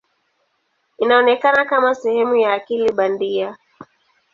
Inaonekana kama sehemu ya akili bandia.